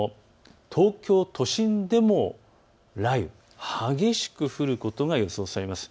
東京都心でも雷雨、激しく降ることが予想されます。